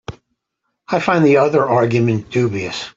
I find the other argument dubious.